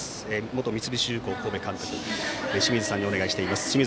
元三菱重工神戸監督の清水さんにお願いしています。